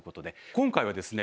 今回はですね